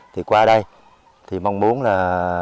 thì qua đây thì mong muốn là